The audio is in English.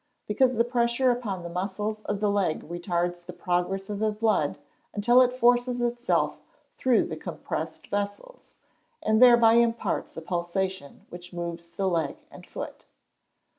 _ Because the pressure upon the muscles of the leg retards the progress of the blood until it forces itself through the compressed vessels, and thereby imparts a pulsation which moves the leg and foot.